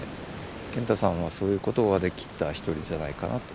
賢太さんはそういうことができた一人じゃないかなと。